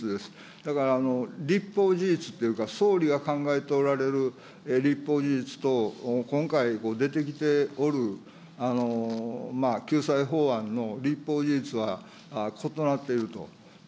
だから立法事実っていうか、総理が考えておられる立法事実と、今回出てきておる救済法案の立法事実は異なっていると。